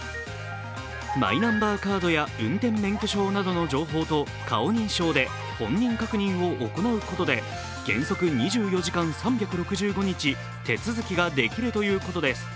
マイナンバーカードや運転免許証などの情報と顔認証で本人確認を行うことで原則２４時間３６５日手続きができるということです。